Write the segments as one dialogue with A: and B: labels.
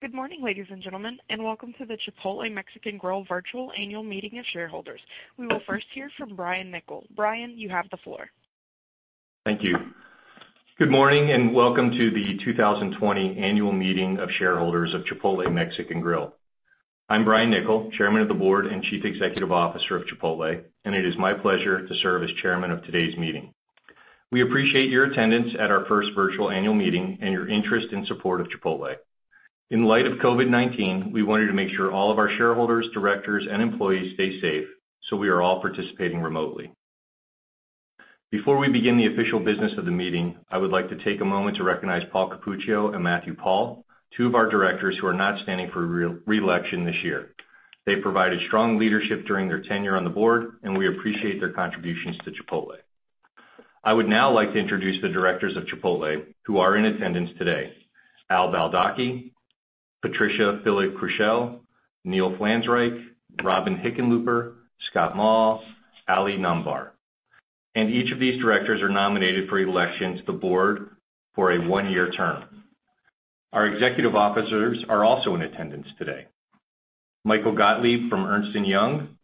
A: Good morning, ladies and gentlemen, and welcome to the Chipotle Mexican Grill Virtual Annual Meeting of Shareholders. We will first hear from Brian Niccol. Brian, you have the floor.
B: Thank you. Good morning. Welcome to the 2020 Annual Meeting of Shareholders of Chipotle Mexican Grill. I'm Brian Niccol, Chairman of the Board and Chief Executive Officer of Chipotle. It is my pleasure to serve as chairman of today's meeting. We appreciate your attendance at our first virtual annual meeting and your interest and support of Chipotle. In light of COVID-19, we wanted to make sure all of our shareholders, directors, and employees stay safe. We are all participating remotely. Before we begin the official business of the meeting, I would like to take a moment to recognize Paul Cappuccio and Matthew Paull, two of our directors who are not standing for re-election this year. They provided strong leadership during their tenure on the board. We appreciate their contributions to Chipotle. I would now like to introduce the directors of Chipotle who are in attendance today. Al Baldocchi, Patricia Fili-Krushel, Neil Flanzraich, Robin Hickenlooper, Scott Maw, Ali Namvar. Each of these directors are nominated for election to the board for a one-year term. Our executive officers are also in attendance today. Michael Gottlieb from Ernst & Young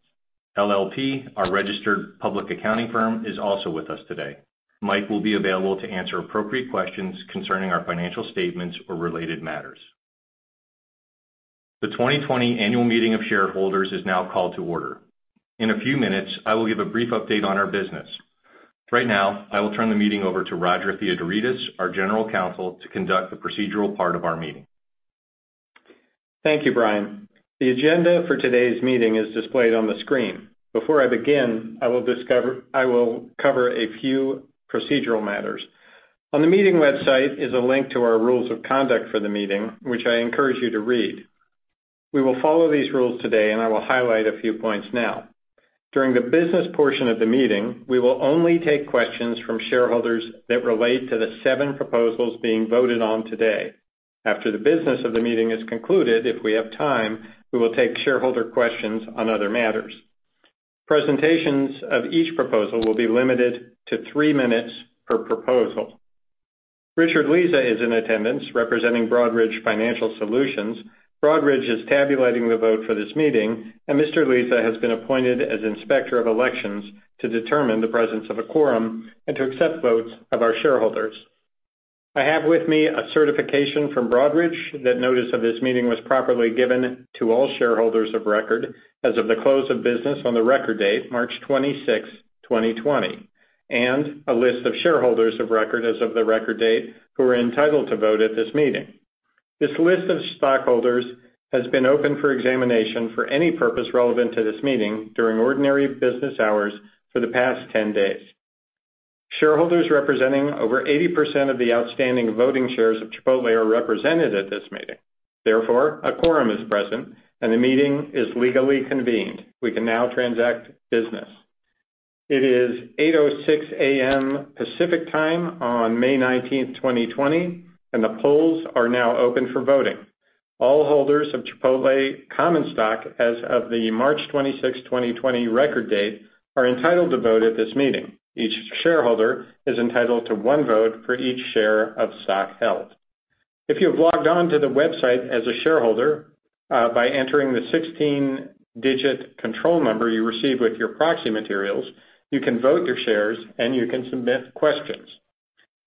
B: LLP, our registered public accounting firm, is also with us today. Mike will be available to answer appropriate questions concerning our financial statements or related matters. The 2020 annual meeting of shareholders is now called to order. In a few minutes, I will give a brief update on our business. Right now, I will turn the meeting over to Roger Theodoredis, our general counsel, to conduct the procedural part of our meeting.
C: Thank you, Brian. The agenda for today's meeting is displayed on the screen. Before I begin, I will cover a few procedural matters. On the meeting website is a link to our rules of conduct for the meeting, which I encourage you to read. We will follow these rules today, and I will highlight a few points now. During the business portion of the meeting, we will only take questions from shareholders that relate to the seven proposals being voted on today. After the business of the meeting is concluded, if we have time, we will take shareholder questions on other matters. Presentations of each proposal will be limited to three minutes per proposal. Richard Lisa is in attendance, representing Broadridge Financial Solutions. Broadridge is tabulating the vote for this meeting, and Mr. Lisa has been appointed as Inspector of Elections to determine the presence of a quorum and to accept votes of our shareholders. I have with me a certification from Broadridge that notice of this meeting was properly given to all shareholders of record as of the close of business on the record date, March 26, 2020, and a list of shareholders of record as of the record date who are entitled to vote at this meeting. This list of stockholders has been open for examination for any purpose relevant to this meeting during ordinary business hours for the past 10 days. Shareholders representing over 80% of the outstanding voting shares of Chipotle are represented at this meeting. Therefore, a quorum is present, and the meeting is legally convened. We can now transact business. It is 8:06 A.M. Pacific Time on May 19, 2020, and the polls are now open for voting. All holders of Chipotle common stock as of the March 26, 2020, record date are entitled to vote at this meeting. Each shareholder is entitled to one vote for each share of stock held. If you have logged on to the website as a shareholder, by entering the 16-digit control number you received with your proxy materials, you can vote your shares, and you can submit questions.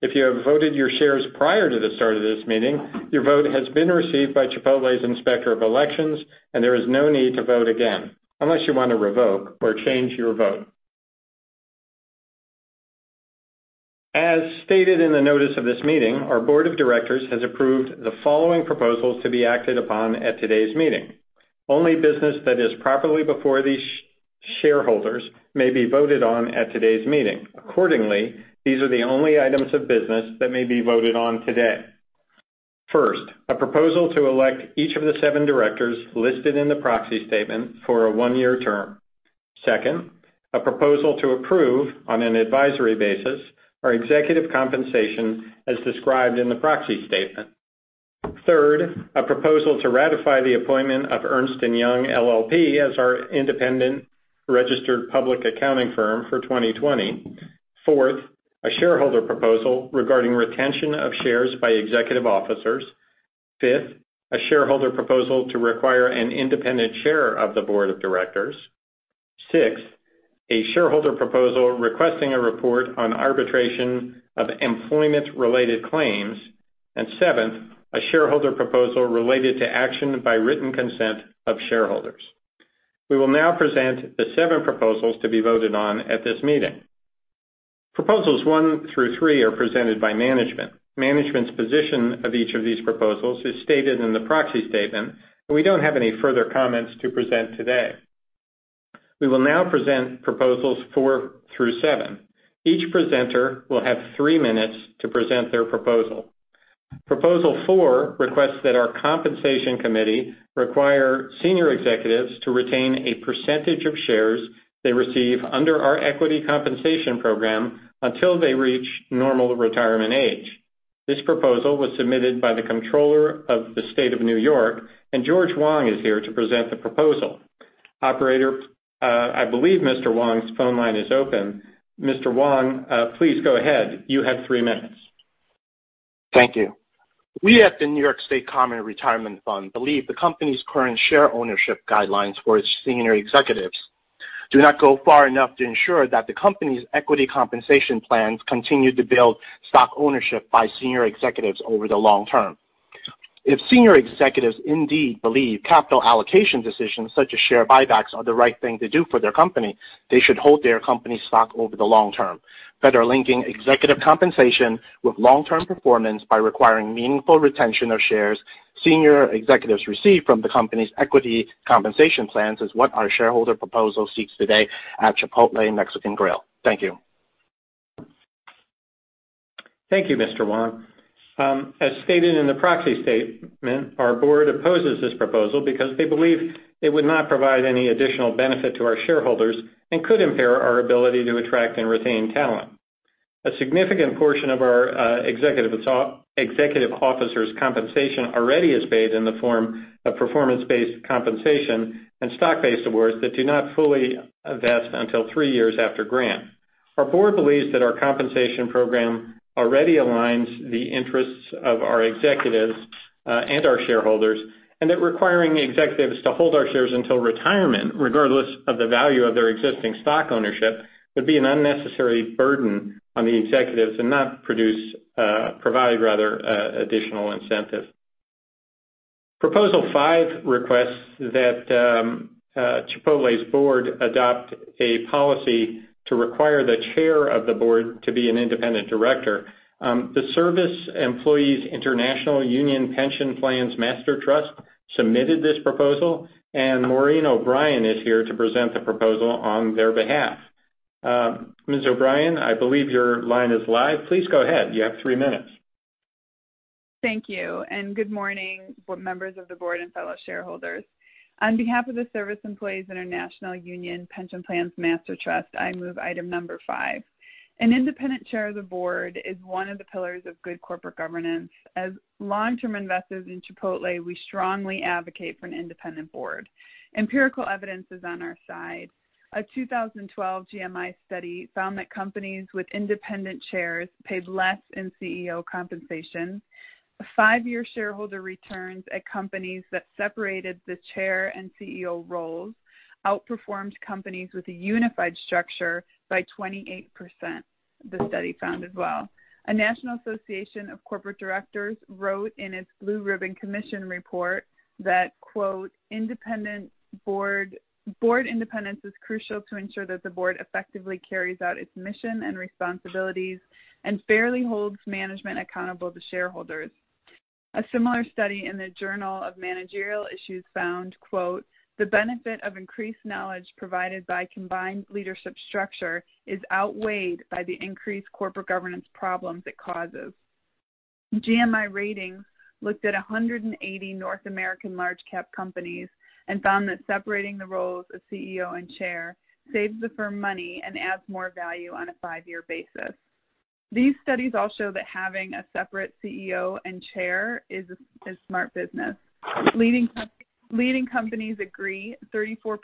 C: If you have voted your shares prior to the start of this meeting, your vote has been received by Chipotle's Inspector of Elections and there is no need to vote again, unless you want to revoke or change your vote. As stated in the notice of this meeting, our Board of Directors has approved the following proposals to be acted upon at today's meeting. Only business that is properly before the shareholders may be voted on at today's meeting. Accordingly, these are the only items of business that may be voted on today. First, a proposal to elect each of the seven directors listed in the proxy statement for a one-year term. Second, a proposal to approve, on an advisory basis, our executive compensation as described in the proxy statement. Third, a proposal to ratify the appointment of Ernst & Young LLP as our independent registered public accounting firm for 2020. Fourth, a shareholder proposal regarding retention of shares by executive officers. Fifth, a shareholder proposal to require an independent chair of the Board of Directors. Sixth, a shareholder proposal requesting a report on arbitration of employment-related claims. Seventh, a shareholder proposal related to action by written consent of shareholders. We will now present the seven proposals to be voted on at this meeting. Proposals one through three are presented by management. Management's position of each of these proposals is stated in the proxy statement, and we don't have any further comments to present today. We will now present proposals four through seven. Each presenter will have three minutes to present their proposal. Proposal four requests that our Compensation Committee require senior executives to retain a percentage of shares they receive under our equity compensation program until they reach normal retirement age. This proposal was submitted by the Comptroller of the State of New York, and George Wang is here to present the proposal. Operator, I believe Mr. Wang's phone line is open. Mr. Wang, please go ahead. You have three minutes.
D: Thank you. We at the New York State Common Retirement Fund believe the company's current share ownership guidelines for its senior executives do not go far enough to ensure that the company's equity compensation plans continue to build stock ownership by senior executives over the long term. If senior executives indeed believe capital allocation decisions such as share buybacks are the right thing to do for their company, they should hold their company stock over the long term. Better linking executive compensation with long-term performance by requiring meaningful retention of shares senior executives receive from the company's equity compensation plans is what our shareholder proposal seeks today at Chipotle Mexican Grill. Thank you.
C: Thank you, Mr. Wang. As stated in the proxy statement, our board opposes this proposal because they believe it would not provide any additional benefit to our shareholders and could impair our ability to attract and retain talent. A significant portion of our executive officers' compensation already is paid in the form of performance-based compensation and stock-based awards that do not fully vest until three years after grant. Our board believes that our compensation program already aligns the interests of our executives and our shareholders, and that requiring executives to hold our shares until retirement, regardless of the value of their existing stock ownership, would be an unnecessary burden on the executives and not provide additional incentive. Proposal five requests that Chipotle's board adopt a policy to require the chair of the board to be an independent director. The Service Employees International Union Pension Plans Master Trust submitted this proposal. Maureen O'Brien is here to present the proposal on their behalf. Ms. O'Brien, I believe your line is live. Please go ahead. You have three minutes.
E: Thank you, and good morning, members of the board and fellow shareholders. On behalf of the Service Employees International Union Pension Plans Master Trust, I move item number five. An independent chair of the board is one of the pillars of good corporate governance. As long-term investors in Chipotle, we strongly advocate for an independent board. Empirical evidence is on our side. A 2012 GMI study found that companies with independent chairs paid less in CEO compensation. A five-year shareholder returns at companies that separated the chair and CEO roles outperformed companies with a unified structure by 28%, the study found as well. A National Association of Corporate Directors wrote in its Blue Ribbon Commission report that, quote, "Board independence is crucial to ensure that the board effectively carries out its mission and responsibilities and fairly holds management accountable to shareholders." A similar study in the Journal of Managerial Issues found, quote, "The benefit of increased knowledge provided by combined leadership structure is outweighed by the increased corporate governance problems it causes." GMI Ratings looked at 180 North American large cap companies and found that separating the roles of CEO and chair saves the firm money and adds more value on a five-year basis. These studies all show that having a separate CEO and chair is smart business. Leading companies agree 34%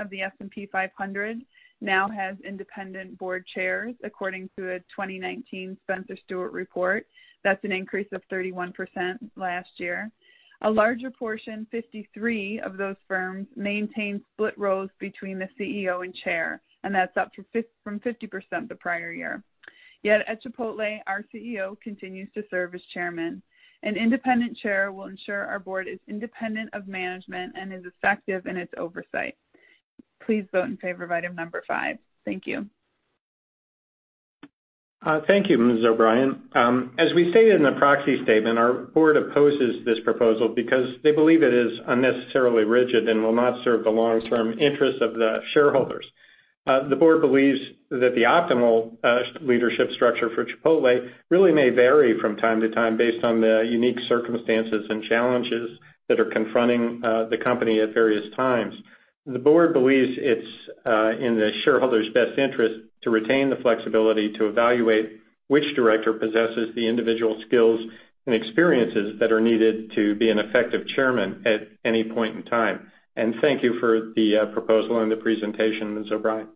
E: of the S&P 500 now has independent board chairs according to a 2019 Spencer Stuart report. That's an increase of 31% last year. A larger portion, 53 of those firms, maintain split roles between the CEO and chair. That's up from 50% the prior year. At Chipotle, our CEO continues to serve as Chairman. An independent chair will ensure our board is independent of management and is effective in its oversight. Please vote in favor of item number five. Thank you.
C: Thank you, Ms. O'Brien. As we stated in the proxy statement, our board opposes this proposal because they believe it is unnecessarily rigid and will not serve the long-term interests of the shareholders. The board believes that the optimal leadership structure for Chipotle really may vary from time to time based on the unique circumstances and challenges that are confronting the company at various times. The board believes it's in the shareholders' best interest to retain the flexibility to evaluate which director possesses the individual skills and experiences that are needed to be an effective chairman at any point in time. Thank you for the proposal and the presentation, Ms. O'Brien.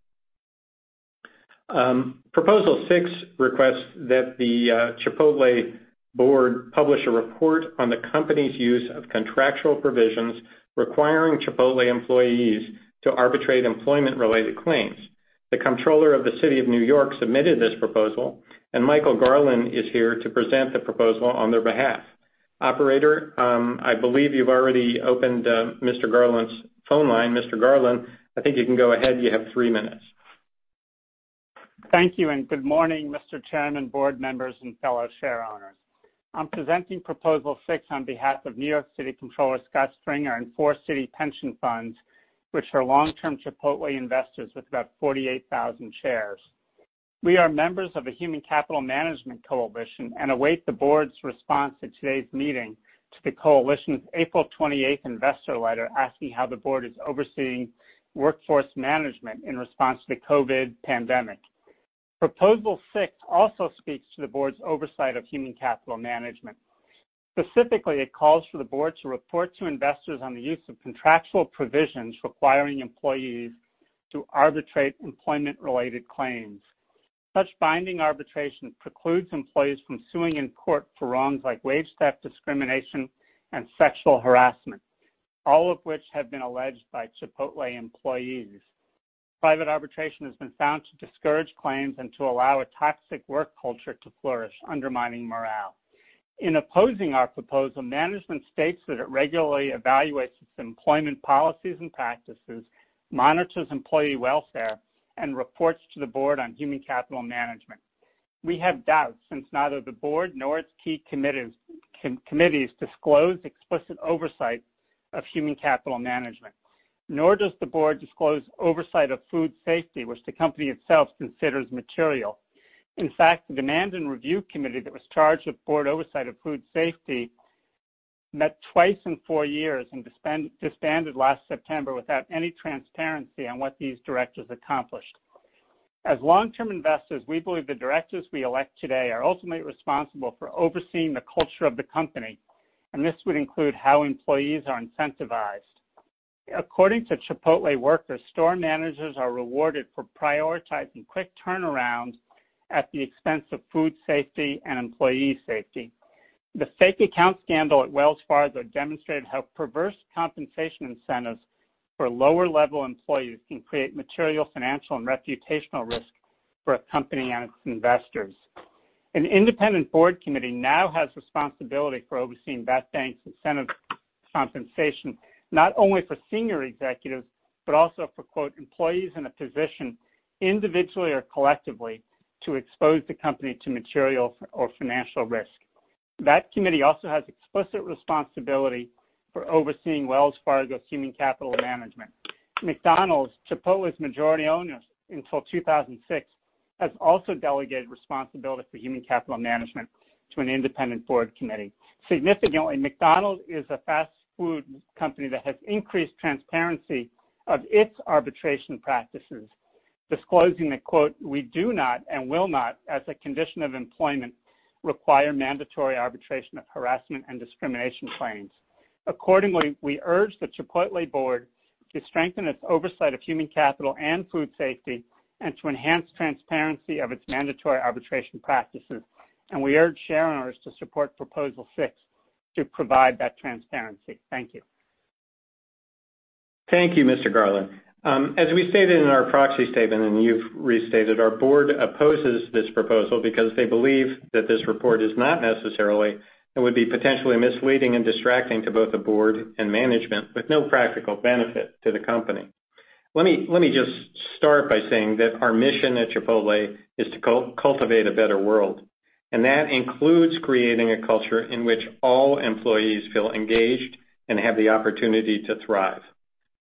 C: Proposal six requests that Chipotle board publish a report on the company's use of contractual provisions requiring Chipotle employees to arbitrate employment-related claims. The Comptroller of the City of New York submitted this proposal. Michael Garland is here to present the proposal on their behalf. Operator, I believe you've already opened Mr. Garland's phone line. Mr. Garland, I think you can go ahead. You have three minutes.
F: Thank you, good morning, Mr. Chairman, board members, and fellow share owners. I'm presenting proposal six on behalf of New York City Comptroller Scott Stringer and four city pension funds, which are long-term Chipotle investors with about 48,000 shares. We are members of a Human Capital Management Coalition and await the board's response at today's meeting to the coalition's April 28th investor letter asking how the board is overseeing workforce management in response to the COVID-19 pandemic. Proposal six also speaks to the board's oversight of human capital management. Specifically, it calls for the board to report to investors on the use of contractual provisions requiring employees to arbitrate employment-related claims. Such binding arbitration precludes employees from suing in court for wrongs like wage theft, discrimination, and sexual harassment, all of which have been alleged by Chipotle employees. Private arbitration has been found to discourage claims and to allow a toxic work culture to flourish, undermining morale. In opposing our proposal, management states that it regularly evaluates its employment policies and practices, monitors employee welfare, and reports to the board on human capital management. We have doubts since neither the board nor its key committees disclose explicit oversight of human capital management, nor does the board disclose oversight of food safety, which the company itself considers material. In fact, the Demand Review Committee that was charged with board oversight of food safety met twice in four years and disbanded last September without any transparency on what these directors accomplished. As long-term investors, we believe the directors we elect today are ultimately responsible for overseeing the culture of the company, and this would include how employees are incentivized. According to Chipotle workers, store managers are rewarded for prioritizing quick turnaround at the expense of food safety and employee safety. The fake account scandal at Wells Fargo demonstrated how perverse compensation incentives for lower-level employees can create material financial and reputational risk for a company and its investors. An independent board committee now has responsibility for overseeing that bank's incentive compensation, not only for senior executives, but also for, quote, "employees in a position, individually or collectively, to expose the company to material or financial risk." That committee also has explicit responsibility for overseeing Wells Fargo's human capital management. McDonald's, Chipotle's majority owner until 2006, has also delegated responsibility for human capital management to an independent board committee. Significantly, McDonald's is a fast food company that has increased transparency of its arbitration practices, disclosing that, quote, "We do not and will not, as a condition of employment, require mandatory arbitration of harassment and discrimination claims." Accordingly, we urge Chipotle's board to strengthen its oversight of human capital and food safety and to enhance transparency of its mandatory arbitration practices. We urge shareholders to support proposal 6 to provide that transparency. Thank you.
C: Thank you, Mr. Garland. As we stated in our proxy statement, and you've restated, our Board opposes this proposal because they believe that this report is not necessary and would be potentially misleading and distracting to both the Board and Management with no practical benefit to the Company. Let me just start by saying that our mission at Chipotle is to cultivate a better world, and that includes creating a culture in which all employees feel engaged and have the opportunity to thrive.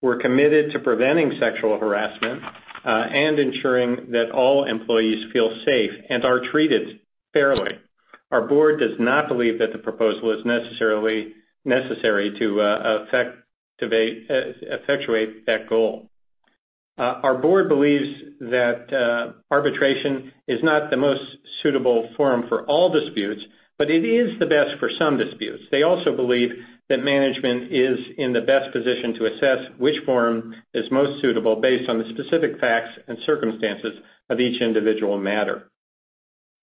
C: We're committed to preventing sexual harassment, and ensuring that all employees feel safe and are treated fairly. Our Board does not believe that the proposal is necessary to effectuate that goal. Our Board believes that arbitration is not the most suitable forum for all disputes, but it is the best for some disputes. They also believe that management is in the best position to assess which forum is most suitable based on the specific facts and circumstances of each individual matter.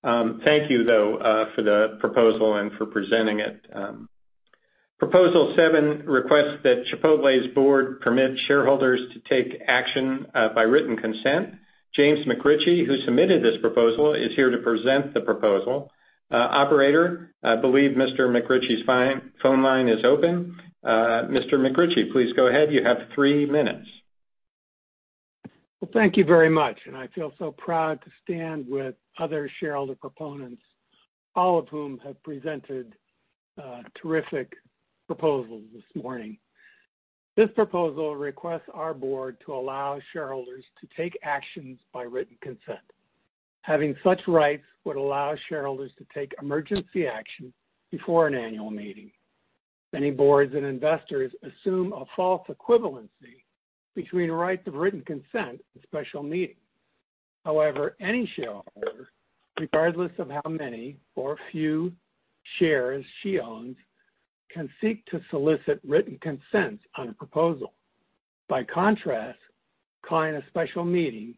C: Thank you, though, for the proposal and for presenting it. Proposal seven requests that Chipotle's board permit shareholders to take action by written consent. James McRitchie, who submitted this proposal, is here to present the proposal. Operator, I believe Mr. McRitchie's phone line is open. Mr. McRitchie, please go ahead. You have three minutes.
G: Well, thank you very much. I feel so proud to stand with other shareholder proponents, all of whom have presented terrific proposals this morning. This proposal requests our board to allow shareholders to take actions by written consent. Having such rights would allow shareholders to take emergency action before an annual meeting. Many boards and investors assume a false equivalency between rights of written consent and special meeting. However, any shareholder, regardless of how many or few shares she owns, can seek to solicit written consent on a proposal. By contrast, calling a special meeting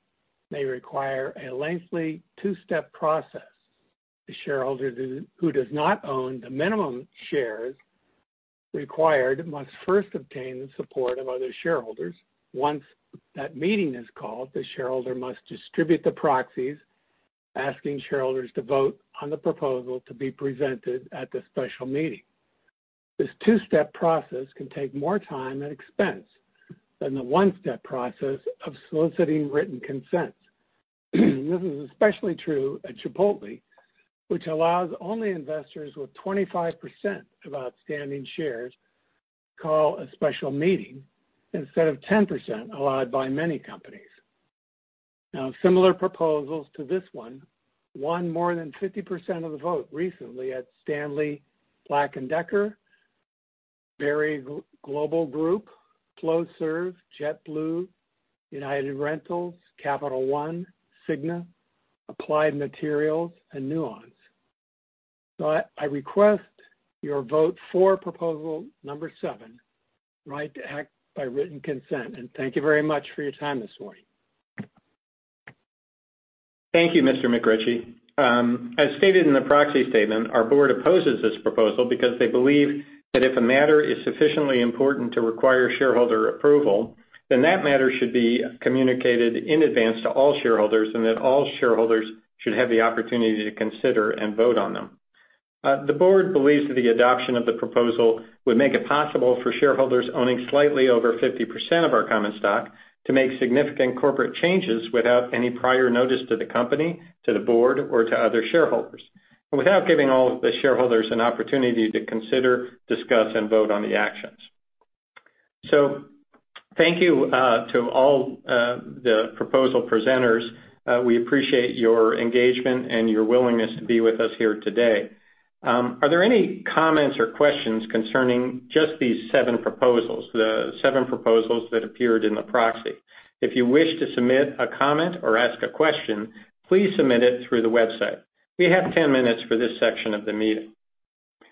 G: may require a lengthy two-step process. The shareholder who does not own the minimum shares required must first obtain the support of other shareholders. Once that meeting is called, the shareholder must distribute the proxies asking shareholders to vote on the proposal to be presented at the special meeting. This two-step process can take more time and expense than the one-step process of soliciting written consent. This is especially true at Chipotle, which allows only investors with 25% of outstanding shares to call a special meeting instead of 10% allowed by many companies. Similar proposals to this one won more than 50% of the vote recently at Stanley Black & Decker, Berry Global Group, Flowserve, JetBlue, United Rentals, Capital One, Cigna, Applied Materials, and Nuance. I request your vote for proposal number seven, right to act by written consent, and thank you very much for your time this morning.
C: Thank you, Mr. McRitchie. As stated in the proxy statement, our Board opposes this proposal because they believe that if a matter is sufficiently important to require shareholder approval, then that matter should be communicated in advance to all shareholders and that all shareholders should have the opportunity to consider and vote on them. The Board believes that the adoption of the proposal would make it possible for shareholders owning slightly over 50% of our common stock to make significant corporate changes without any prior notice to the company, to the Board, or to other shareholders, and without giving all of the shareholders an opportunity to consider, discuss, and vote on the actions. Thank you to all the proposal presenters. We appreciate your engagement and your willingness to be with us here today. Are there any comments or questions concerning just these seven proposals, the seven proposals that appeared in the proxy? If you wish to submit a comment or ask a question, please submit it through the website. We have 10 minutes for this section of the meeting.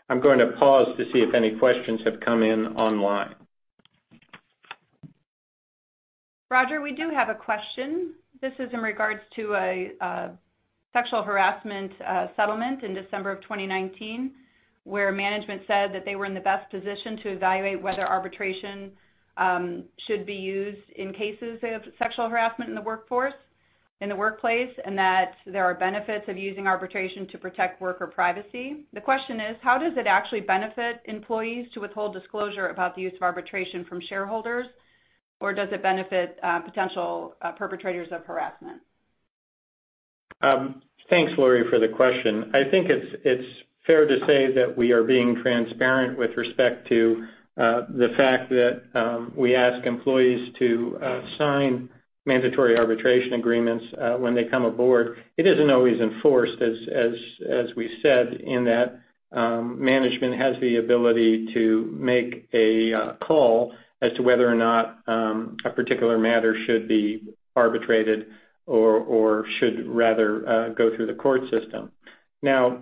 C: I'm going to pause to see if any questions have come in online.
H: Roger, we do have a question. This is in regards to a sexual harassment settlement in December of 2019, where management said that they were in the best position to evaluate whether arbitration should be used in cases of sexual harassment in the workforce, in the workplace, and that there are benefits of using arbitration to protect worker privacy. The question is, how does it actually benefit employees to withhold disclosure about the use of arbitration from shareholders? Does it benefit potential perpetrators of harassment?
C: Thanks, Laurie, for the question. I think it's fair to say that we are being transparent with respect to the fact that we ask employees to sign mandatory arbitration agreements when they come aboard. It isn't always enforced, as we said, in that management has the ability to make a call as to whether or not a particular matter should be arbitrated or should rather go through the court system.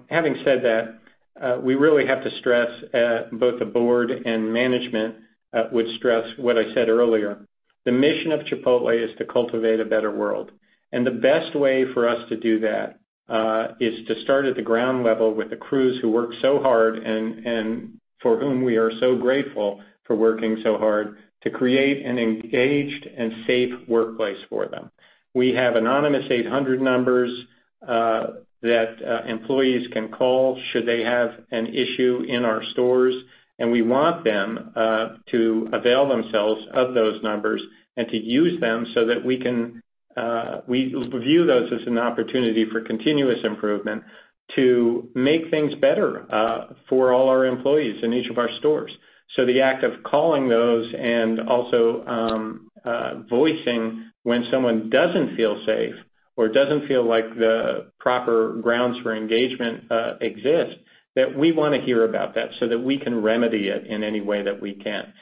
C: Having said that, we really have to stress, both the board and management would stress what I said earlier. The mission of Chipotle is to cultivate a better world, and the best way for us to do that is to start at the ground level with the crews who work so hard and for whom we are so grateful for working so hard to create an engaged and safe workplace for them. We have anonymous 800 numbers that employees can call should they have an issue in our stores. We want them to avail themselves of those numbers and to use them so that we view those as an opportunity for continuous improvement to make things better for all our employees in each of our stores. The act of calling those and also voicing when someone doesn't feel safe or doesn't feel like the proper grounds for engagement exist, we want to hear about that so that we can remedy it in any way that we can.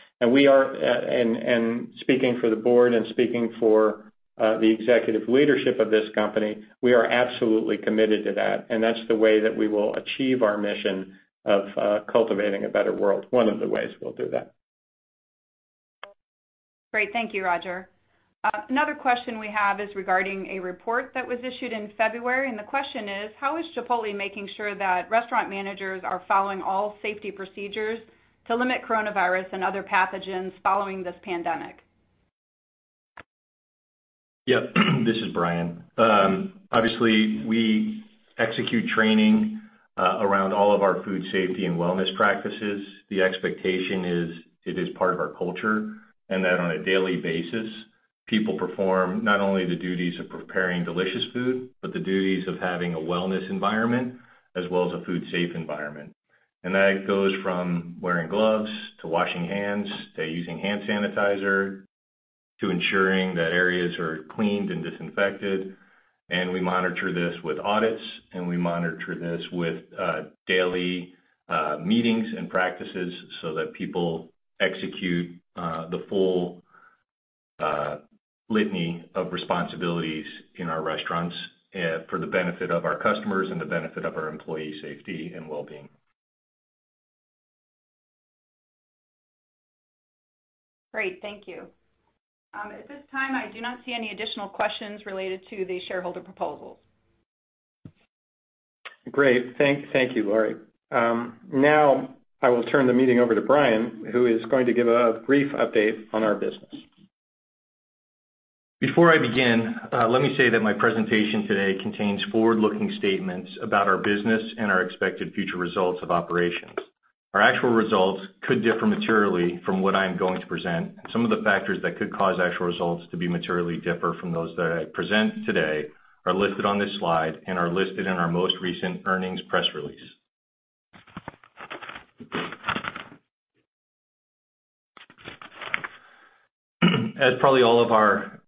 C: Speaking for the Board and speaking for the executive leadership of this company, we are absolutely committed to that, and that's the way that we will achieve our mission of Cultivating a Better World. One of the ways we'll do that.
H: Great. Thank you, Roger. Another question we have is regarding a report that was issued in February. The question is, how is Chipotle making sure that restaurant managers are following all safety procedures to limit coronavirus and other pathogens following this pandemic?
B: Yep. This is Brian. Obviously, we execute training around all of our food safety and wellness practices. The expectation is it is part of our culture, and that on a daily basis, people perform not only the duties of preparing delicious food, but the duties of having a wellness environment as well as a food safe environment. That goes from wearing gloves, to washing hands, to using hand sanitizer, to ensuring that areas are cleaned and disinfected. We monitor this with audits, and we monitor this with daily meetings and practices so that people execute the full litany of responsibilities in our restaurants for the benefit of our customers and the benefit of our employee safety and well-being.
H: Great. Thank you. At this time, I do not see any additional questions related to the shareholder proposals.
C: Great. Thank you, Laurie. Now I will turn the meeting over to Brian, who is going to give a brief update on our business.
B: Before I begin, let me say that my presentation today contains forward-looking statements about our business and our expected future results of operations. Our actual results could differ materially from what I am going to present, and some of the factors that could cause actual results to be materially differ from those that I present today are listed on this slide and are listed in our most recent earnings press release. As probably all of our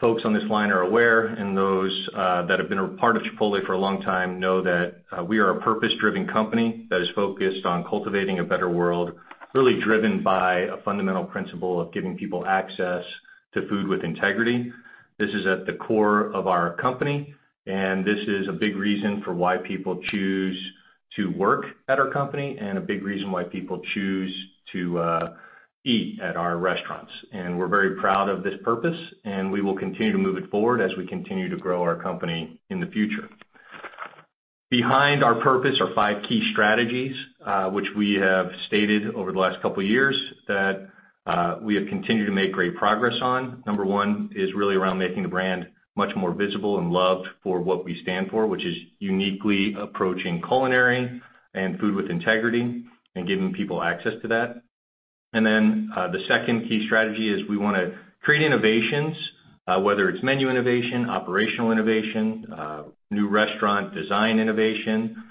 B: folks on this line are aware, and those that have been a part of Chipotle for a long time know that we are a purpose-driven company that is focused on cultivating a better world, really driven by a fundamental principle of giving people access to Food with Integrity. This is at the core of our company, and this is a big reason for why people choose to work at our company, and a big reason why people choose to eat at our restaurants. We're very proud of this purpose, and we will continue to move it forward as we continue to grow our company in the future. Behind our purpose are five key strategies, which we have stated over the last couple of years that we have continued to make great progress on. Number 1 is really around making the brand much more visible and loved for what we stand for, which is uniquely approaching culinary and Food with Integrity, and giving people access to that. The second key strategy is we want to create innovations, whether it's menu innovation, operational innovation, new restaurant design innovation,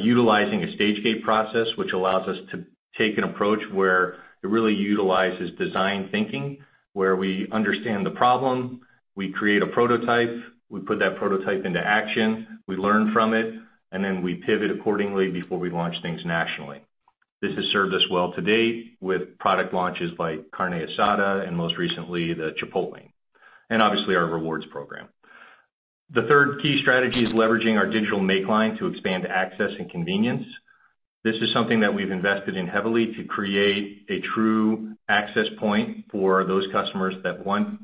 B: utilizing a Stage-Gate process, which allows us to take an approach where it really utilizes design thinking, where we understand the problem, we create a prototype, we put that prototype into action, we learn from it, and then we pivot accordingly before we launch things nationally. This has served us well to date with product launches like Carne Asada, and most recently, Queso Blanco, and obviously our Chipotle Rewards. The third key strategy is leveraging our Digital Make Line to expand access and convenience. This is something that we've invested in heavily to create a true access point for those customers that want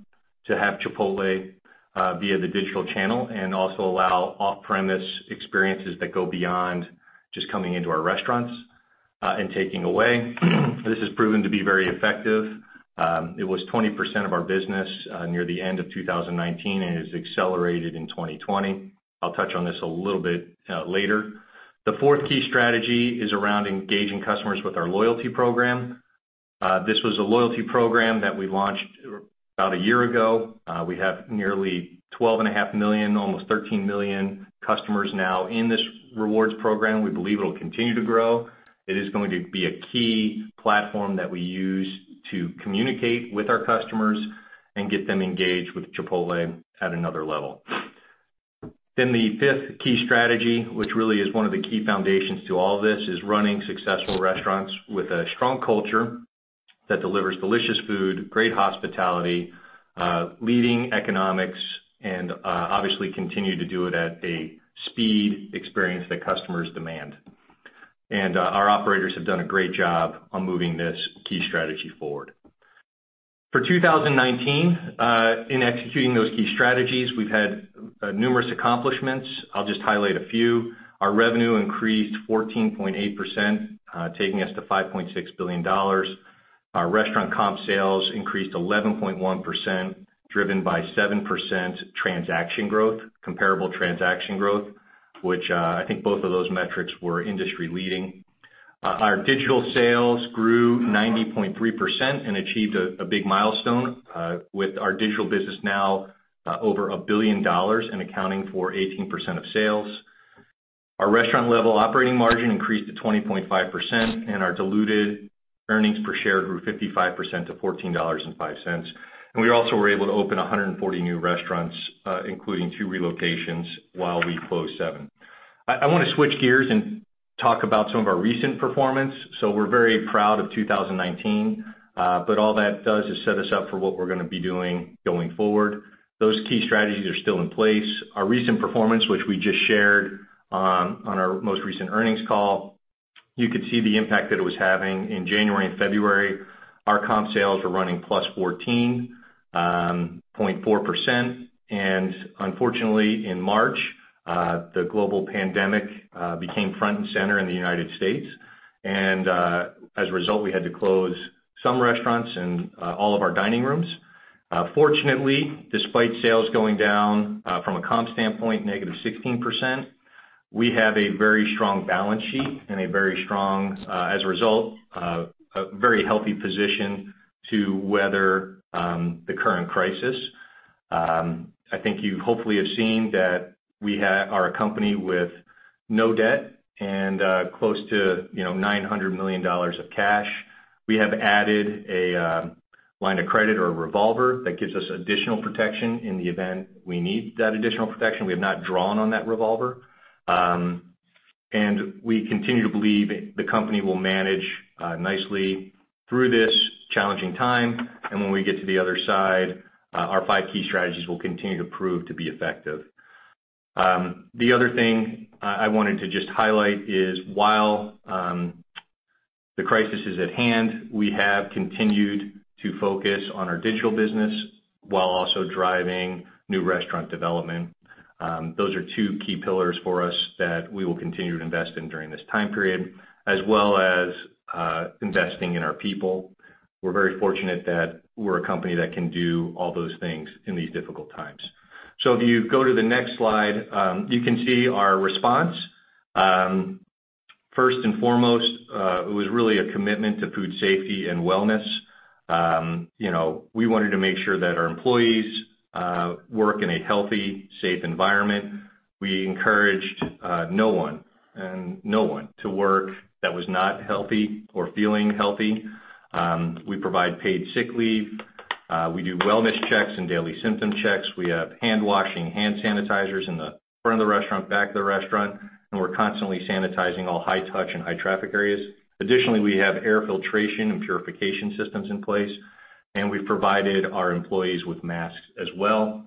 B: to have Chipotle via the digital channel, and also allow off-premise experiences that go beyond just coming into our restaurants, and taking away. This has proven to be very effective. It was 20% of our business near the end of 2019, and it has accelerated in 2020. I'll touch on this a little bit later. The fourth key strategy is around engaging customers with our loyalty program. This was a loyalty program that we launched about a year ago. We have nearly 12.5 million, almost 13 million customers now in this Chipotle Rewards. We believe it'll continue to grow. It is going to be a key platform that we use to communicate with our customers and get them engaged with Chipotle at another level. The fifth key strategy, which really is one of the key foundations to all this, is running successful restaurants with a strong culture that delivers delicious food, great hospitality, leading economics, and obviously continue to do it at a speed experience that customers demand. Our operators have done a great job on moving this key strategy forward. For 2019, in executing those key strategies, we've had numerous accomplishments. I'll just highlight a few. Our revenue increased 14.8%, taking us to $5.6 billion. Our restaurant comp sales increased 11.1%, driven by 7% transaction growth, comparable transaction growth, which I think both of those metrics were industry leading. Our digital sales grew 90.3% and achieved a big milestone, with our digital business now over $1 billion and accounting for 18% of sales. Our restaurant level operating margin increased to 20.5%, and our diluted earnings per share grew 55% to $14.05. We also were able to open 140 new restaurants, including two relocations while we closed seven. I want to switch gears and talk about some of our recent performance. We're very proud of 2019. All that does is set us up for what we're going to be doing going forward. Those key strategies are still in place. Our recent performance, which we just shared on our most recent earnings call, you could see the impact that it was having in January and February. Our comp sales were running +14.4%. Unfortunately in March, the global pandemic became front and center in the U.S. As a result, we had to close some restaurants and all of our dining rooms. Fortunately, despite sales going down, from a comp standpoint, -16%, we have a very strong balance sheet and a very strong, as a result, a very healthy position to weather the current crisis. I think you hopefully have seen that we are a company with no debt and close to $900 million of cash. We have added a line of credit or a revolver that gives us additional protection in the event we need that additional protection. We have not drawn on that revolver. We continue to believe the company will manage nicely through this challenging time. When we get to the other side, our five key strategies will continue to prove to be effective. The other thing I wanted to just highlight is while the crisis is at hand, we have continued to focus on our digital business while also driving new restaurant development. Those are two key pillars for us that we will continue to invest in during this time period, as well as investing in our people. We're very fortunate that we're a company that can do all those things in these difficult times. If you go to the next slide, you can see our response. First and foremost, it was really a commitment to food safety and wellness. We wanted to make sure that our employees work in a healthy, safe environment. We encouraged no one to work that was not healthy or feeling healthy. We provide paid sick leave. We do wellness checks and daily symptom checks. We have hand washing hand sanitizers in the front of the restaurant, back of the restaurant. We're constantly sanitizing all high touch and high traffic areas. Additionally, we have air filtration and purification systems in place. We've provided our employees with masks as well.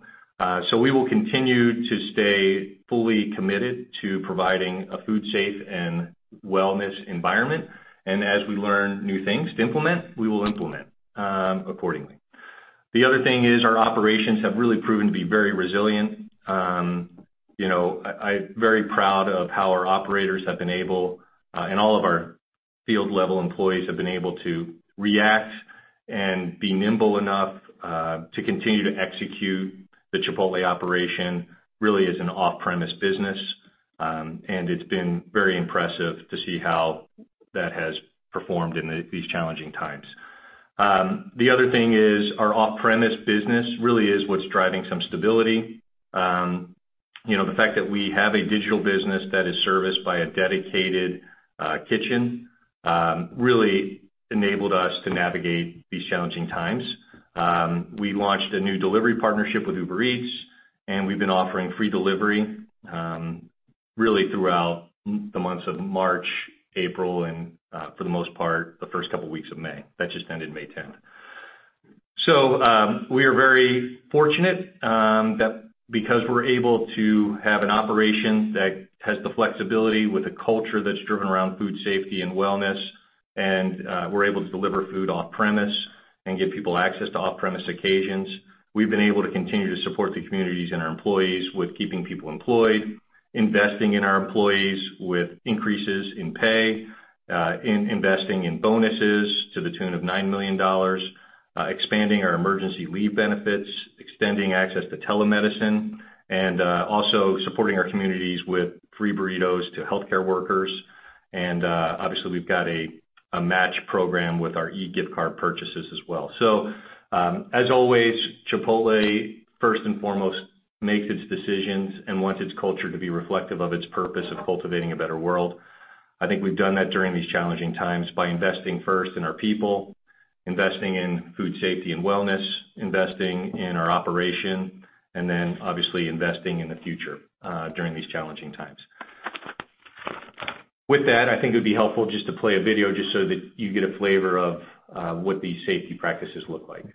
B: We will continue to stay fully committed to providing a food safe and wellness environment. As we learn new things to implement, we will implement accordingly. The other thing is our operations have really proven to be very resilient. I'm very proud of how our operators have been able, and all of our field-level employees have been able to react and be nimble enough, to continue to execute the Chipotle operation really as an off-premise business. It's been very impressive to see how that has performed in these challenging times. The other thing is our off-premise business really is what's driving some stability. The fact that we have a digital business that is serviced by a dedicated kitchen, really enabled us to navigate these challenging times. We launched a new delivery partnership with Uber Eats, and we've been offering free delivery, really throughout the months of March, April, and, for the most part, the first couple of weeks of May. That just ended May 10th. We are very fortunate, because we're able to have an operation that has the flexibility with a culture that's driven around food safety and wellness and, we're able to deliver food off-premise and give people access to off-premise occasions. We've been able to continue to support the communities and our employees with keeping people employed, investing in our employees with increases in pay, in investing in bonuses to the tune of $9 million, expanding our emergency leave benefits, extending access to telemedicine, and also supporting our communities with free burritos to healthcare workers. Obviously we've got a match program with our e-gift card purchases as well. As always, Chipotle, first and foremost, makes its decisions and wants its culture to be reflective of its purpose of cultivating a better world. I think we've done that during these challenging times by investing first in our people, investing in food safety and wellness, investing in our operation, obviously investing in the future, during these challenging times. With that, I think it'd be helpful just to play a video just so that you get a flavor of what these safety practices look like.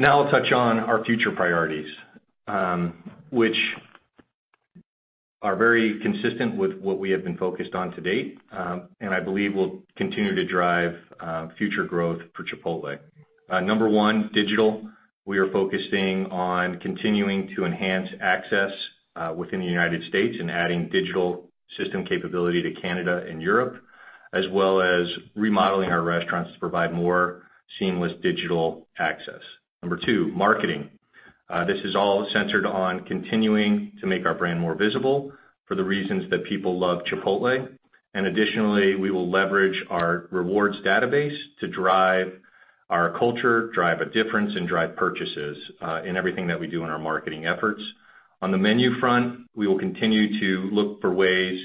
B: I'll touch on our future priorities, which are very consistent with what we have been focused on to date, and I believe will continue to drive future growth for Chipotle. Number 1, digital. We are focusing on continuing to enhance access, within the U.S. and adding digital system capability to Canada and Europe, as well as remodeling our restaurants to provide more seamless digital access. Number 2, marketing. This is all centered on continuing to make our brand more visible for the reasons that people love Chipotle. Additionally, we will leverage our Chipotle Rewards database to drive our culture, drive a difference, and drive purchases in everything that we do in our marketing efforts. On the menu front, we will continue to look for ways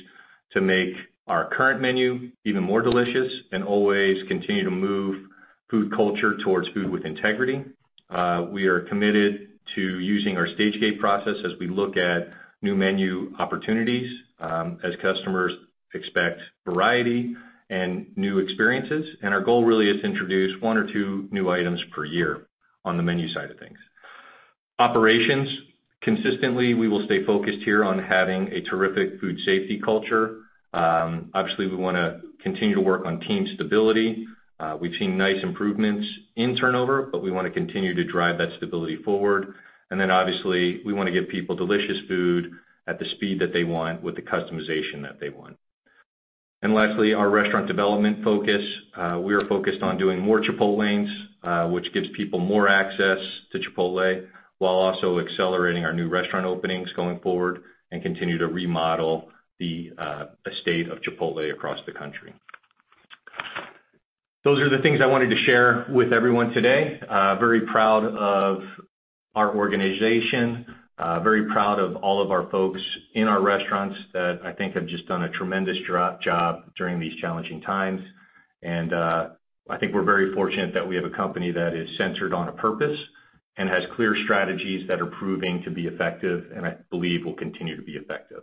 B: to make our current menu even more delicious and always continue to move food culture towards Food with Integrity. We are committed to using our Stage-Gate process as we look at new menu opportunities, as customers expect variety and new experiences. Our goal really is to introduce one or two new items per year on the menu side of things. Operations. Consistently, we will stay focused here on having a terrific food safety culture. Obviously, we want to continue to work on team stability. We've seen nice improvements in turnover, but we want to continue to drive that stability forward. Obviously, we want to give people delicious food at the speed that they want with the customization that they want. Lastly, our restaurant development focus. We are focused on doing more Chipotlanes, which gives people more access to Chipotle, while also accelerating our new restaurant openings going forward and continue to remodel the estate of Chipotle across the country. Those are the things I wanted to share with everyone today. Very proud of our organization. Very proud of all of our folks in our restaurants that I think have just done a tremendous job during these challenging times. I think we're very fortunate that we have a company that is centered on a purpose and has clear strategies that are proving to be effective and I believe will continue to be effective.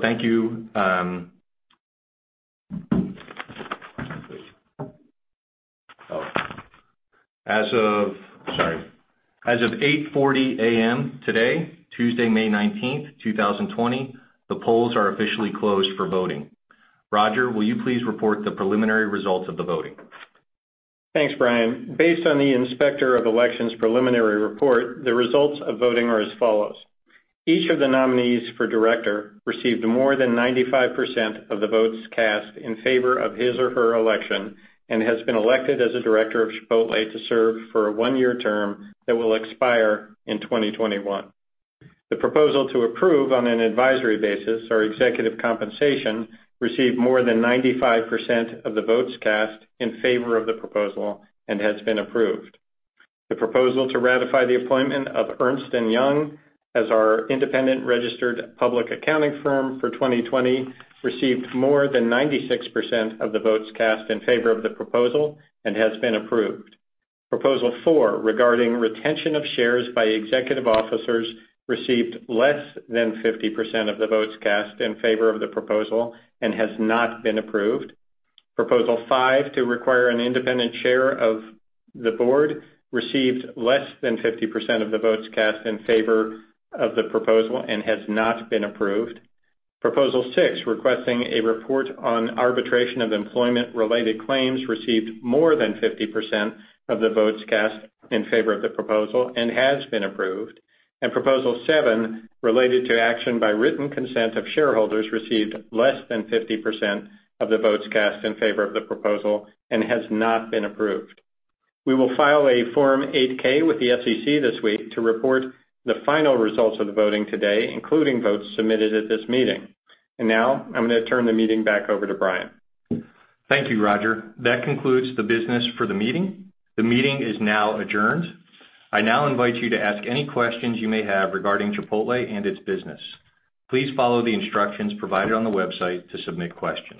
B: Thank you. As of 8:40 A.M. today, Tuesday, May 19th, 2020, the polls are officially closed for voting. Roger, will you please report the preliminary results of the voting?
C: Thanks, Brian. Based on the Inspector of Elections preliminary report, the results of voting are as follows. Each of the nominees for director received more than 95% of the votes cast in favor of his or her election and has been elected as a director of Chipotle to serve for a one-year term that will expire in 2021. The proposal to approve on an advisory basis our executive compensation received more than 95% of the votes cast in favor of the proposal and has been approved. The proposal to ratify the appointment of Ernst & Young as our independent registered public accounting firm for 2020 received more than 96% of the votes cast in favor of the proposal and has been approved. Proposal 4, regarding retention of shares by executive officers, received less than 50% of the votes cast in favor of the proposal and has not been approved. Proposal five, to require an independent chair of the board, received less than 50% of the votes cast in favor of the proposal and has not been approved. Proposal six, requesting a report on arbitration of employment-related claims, received more than 50% of the votes cast in favor of the proposal and has been approved. Proposal seven, related to action by written consent of shareholders, received less than 50% of the votes cast in favor of the proposal and has not been approved. We will file a Form 8-K with the SEC this week to report the final results of the voting today, including votes submitted at this meeting. Now, I'm going to turn the meeting back over to Brian.
B: Thank you, Roger. That concludes the business for the meeting. The meeting is now adjourned. I now invite you to ask any questions you may have regarding Chipotle and its business. Please follow the instructions provided on the website to submit questions.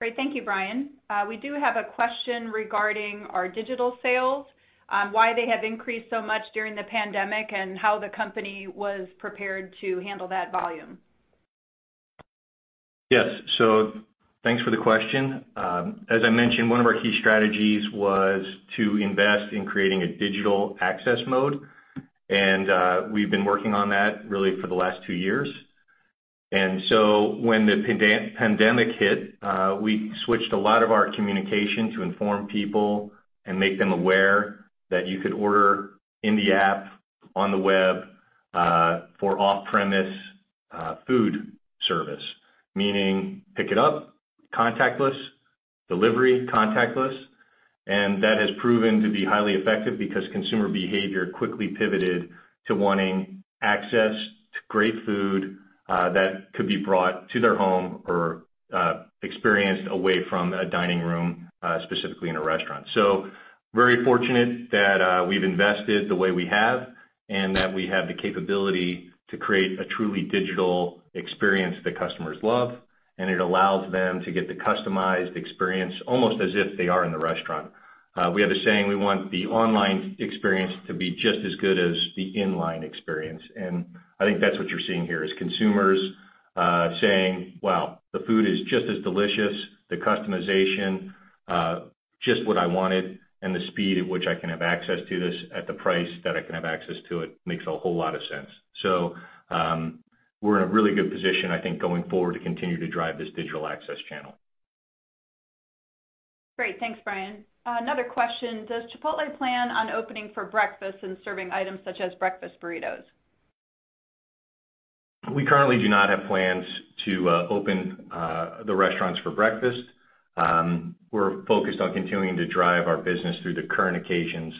H: Great. Thank you, Brian. We do have a question regarding our digital sales, why they have increased so much during the pandemic, and how the company was prepared to handle that volume.
B: Yes. Thanks for the question. As I mentioned, one of our key strategies was to invest in creating a digital access mode, and we've been working on that really for the last two years. When the pandemic hit, we switched a lot of our communication to inform people and make them aware that you could order in the app, on the web, for off-premise food service, meaning pick it up contactless, delivery contactless. That has proven to be highly effective because consumer behavior quickly pivoted to wanting access to great food that could be brought to their home or experienced away from a dining room, specifically in a restaurant. Very fortunate that we've invested the way we have and that we have the capability to create a truly digital experience that customers love and it allows them to get the customized experience almost as if they are in the restaurant. We have a saying, we want the online experience to be just as good as the in-line experience. I think that's what you're seeing here is consumers saying, "Wow, the food is just as delicious. The customization, just what I wanted and the speed at which I can have access to this at the price that I can have access to it makes a whole lot of sense." We're in a really good position, I think, going forward to continue to drive this digital access channel.
H: Great. Thanks, Brian. Another question. Does Chipotle plan on opening for breakfast and serving items such as breakfast burritos?
B: We currently do not have plans to open the restaurants for breakfast. We're focused on continuing to drive our business through the current occasions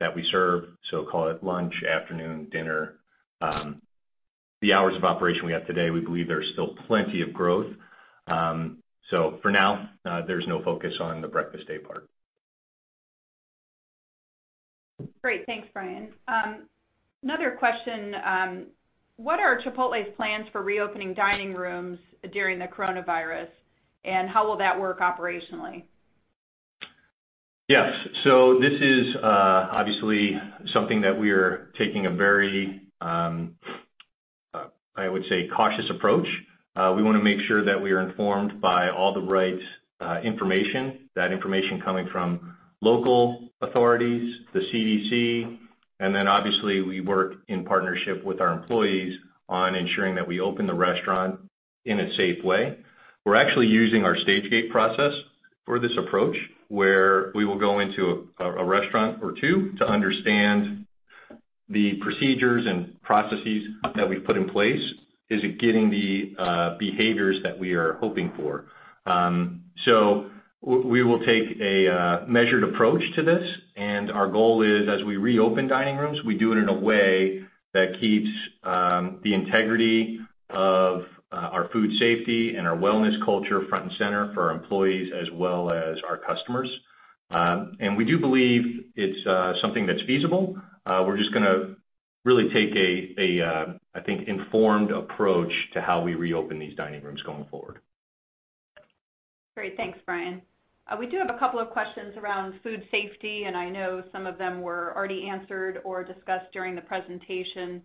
B: that we serve, so call it lunch, afternoon, dinner. The hours of operation we have today, we believe there's still plenty of growth. For now, there's no focus on the breakfast daypart.
H: Great. Thanks, Brian. Another question. What are Chipotle's plans for reopening dining rooms during the coronavirus, and how will that work operationally?
B: Yes. This is obviously something that we are taking a very, I would say, cautious approach. We want to make sure that we are informed by all the right information, that information coming from local authorities, the CDC, and obviously we work in partnership with our employees on ensuring that we open the restaurant in a safe way. We're actually using our Stage-Gate process for this approach, where we will go into a restaurant or two to understand the procedures and processes that we've put in place. Is it getting the behaviors that we are hoping for? We will take a measured approach to this, and our goal is as we reopen dining rooms, we do it in a way that keeps the integrity of our food safety and our wellness culture front and center for our employees as well as our customers. We do believe it's something that's feasible. We're just going to really take a, I think, informed approach to how we reopen these dining rooms going forward.
H: Great. Thanks, Brian. We do have a couple of questions around food safety, and I know some of them were already answered or discussed during the presentation.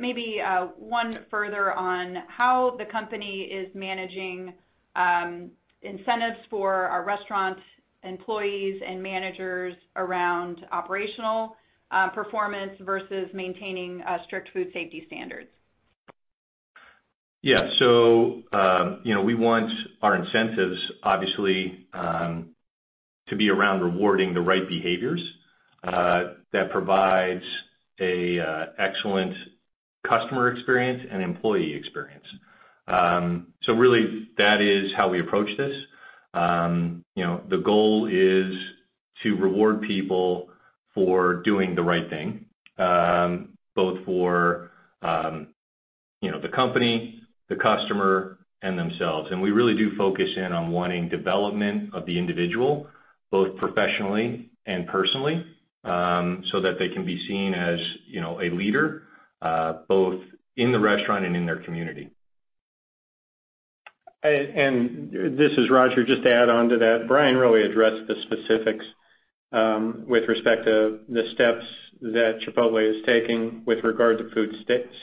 H: Maybe one further on how the company is managing incentives for our restaurant employees and managers around operational performance versus maintaining strict food safety standards.
B: Yeah. We want our incentives, obviously, to be around rewarding the right behaviors that provides an excellent customer experience and employee experience. Really that is how we approach this. The goal is to reward people for doing the right thing, both for the company, the customer, and themselves. We really do focus in on wanting development of the individual, both professionally and personally, so that they can be seen as a leader, both in the restaurant and in their community.
C: This is Roger. Just to add onto that, Brian really addressed the specifics with respect to the steps that Chipotle is taking with regard to food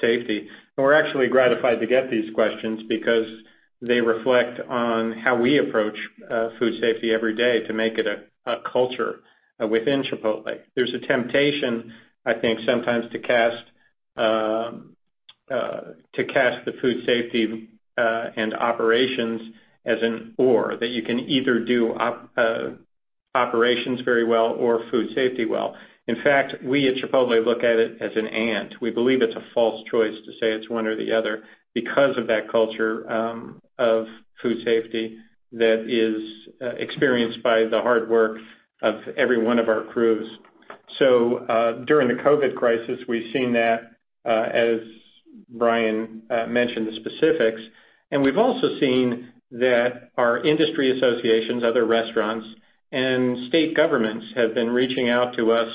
C: safety. We're actually gratified to get these questions because they reflect on how we approach food safety every day to make it a culture within Chipotle. There's a temptation, I think, sometimes to cast the food safety and operations as an "or," that you can either do operations very well or food safety well. In fact, we at Chipotle look at it as an "and." We believe it's a false choice to say it's one or the other because of that culture of food safety that is experienced by the hard work of every one of our crews. During the COVID-19 crisis, we've seen that as Brian mentioned the specifics, and we've also seen that our industry associations, other restaurants, and state governments have been reaching out to us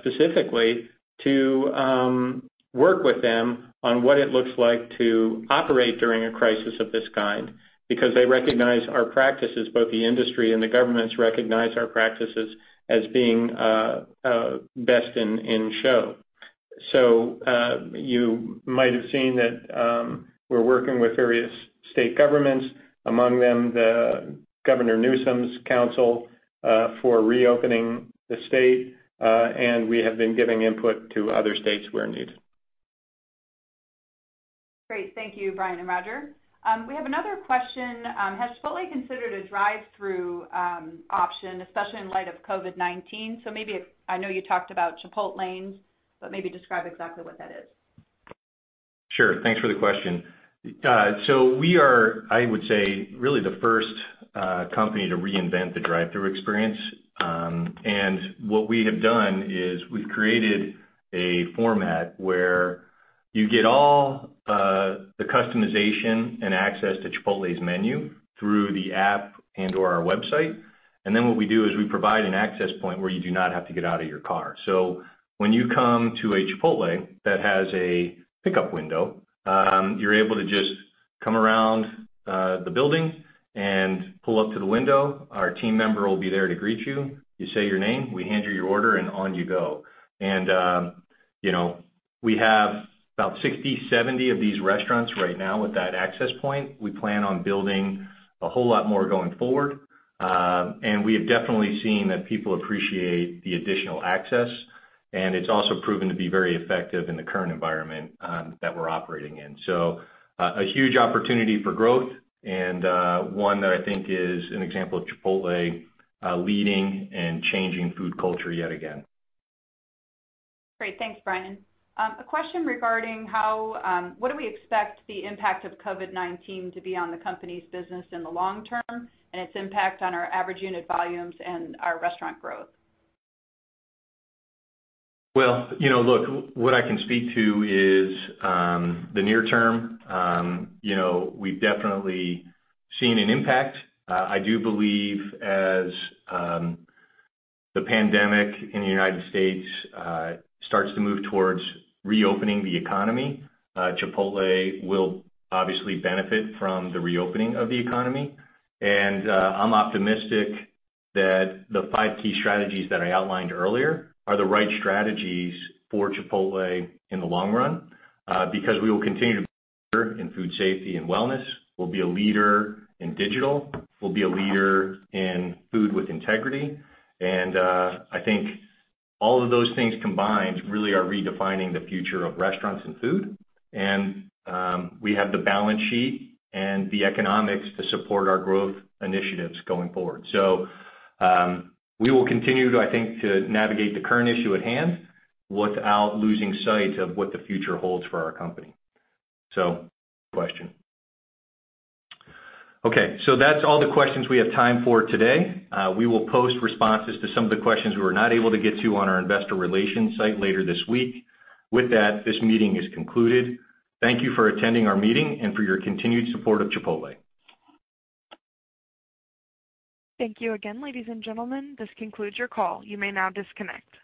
C: specifically to work with them on what it looks like to operate during a crisis of this kind because they recognize our practices, both the industry and the governments recognize our practices as being best in show. You might have seen that we're working with various state governments, among them the Gavin Newsom's Council for reopening the state, and we have been giving input to other states where needed.
H: Great. Thank you, Brian and Roger. We have another question. Has Chipotle considered a drive-through option, especially in light of COVID-19? I know you talked about Chipotlane, but maybe describe exactly what that is.
B: Sure. Thanks for the question. We are, I would say, really the first company to reinvent the drive-through experience. What we have done is we've created a format where you get all the customization and access to Chipotle's menu through the app and/or our website. What we do is we provide an access point where you do not have to get out of your car. When you come to a Chipotle that has a pickup window, you're able to just come around the building and pull up to the window. Our team member will be there to greet you. You say your name, we hand you your order, and on you go. We have about 60, 70 of these restaurants right now with that access point. We plan on building a whole lot more going forward. We have definitely seen that people appreciate the additional access, and it's also proven to be very effective in the current environment that we're operating in. A huge opportunity for growth and one that I think is an example of Chipotle leading and changing food culture yet again.
H: Great. Thanks, Brian. A question regarding what do we expect the impact of COVID-19 to be on the company's business in the long term and its impact on our average unit volumes and our restaurant growth?
B: Well, look, what I can speak to is the near term. We've definitely seen an impact. I do believe as the pandemic in the U.S. starts to move towards reopening the economy, Chipotle will obviously benefit from the reopening of the economy. I'm optimistic that the five key strategies that I outlined earlier are the right strategies for Chipotle in the long run, because we will continue to be a leader in food safety and wellness. We'll be a leader in digital. We'll be a leader in Food with Integrity. I think all of those things combined really are redefining the future of restaurants and food. We have the balance sheet and the economics to support our growth initiatives going forward. We will continue to, I think, navigate the current issue at hand without losing sight of what the future holds for our company. Good question. Okay, that's all the questions we have time for today. We will post responses to some of the questions we were not able to get to on our investor relations site later this week. With that, this meeting is concluded. Thank you for attending our meeting and for your continued support of Chipotle.
A: Thank you again, ladies and gentlemen. This concludes your call. You may now disconnect.